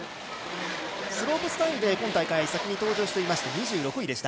スロープスタイルで今大会先に登場していまして、２６位。